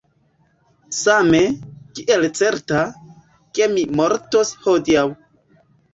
Same, kiel certa, ke mi mortos hodiaŭ.